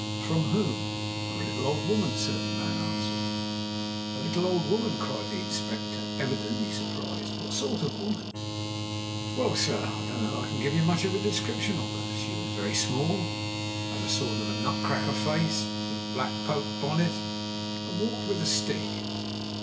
"From whom?" "From a little old woman, sir," the man answered. "A little old woman!" cried the Inspector, evidently surprised. "What sort of woman?" "Well, sir, I don't know that I can give you much of a description of her. She was very small, had a sort of nut cracker face, a little black poke bonnet, and walked with a stick."